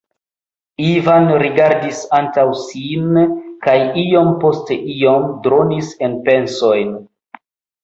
Ivan rigardis antaŭ sin kaj iom post iom dronis en pensojn.